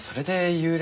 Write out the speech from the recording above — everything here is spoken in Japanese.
幽霊！